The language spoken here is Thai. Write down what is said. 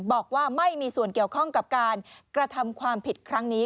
บอกว่าไม่มีส่วนเกี่ยวข้องกับการกระทำความผิดครั้งนี้